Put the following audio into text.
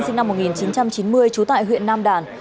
sinh năm một nghìn chín trăm chín mươi trú tại huyện nam đàn